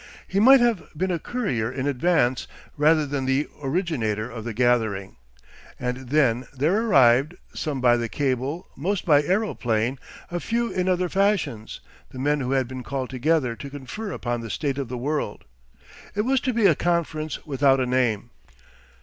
He might have been a courier in advance rather than the originator of the gathering. And then there arrived, some by the cable, most by aeroplane, a few in other fashions, the men who had been called together to confer upon the state of the world. It was to be a conference without a name.